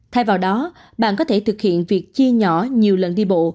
thay vào đó bạn có thể thực hiện việc chia nhỏ nhiều lần đi bộ